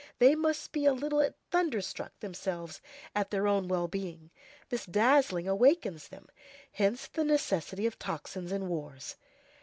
They must be a little thunderstruck themselves at their own well being; this dazzling awakens them. Hence the necessity of tocsins and wars.